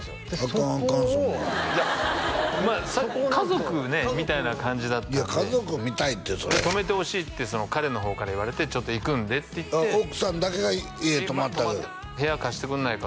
アカンアカンそんなんでそこを家族ねみたいな感じだったんでいや家族みたいってそれで泊めてほしいって彼の方から言われてちょっと行くんでって言って奥さんだけが家泊まった「部屋貸してくんないか」